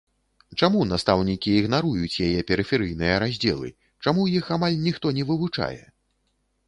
Чаму настаўнікі ігнаруюць яе перыферыйныя раздзелы, чаму іх амаль ніхто не вывучае?